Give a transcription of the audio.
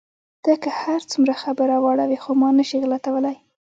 ته که هر څومره خبره واړوې، خو ما نه شې غلتولای.